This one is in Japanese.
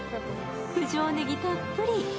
九条ねぎたっぷり。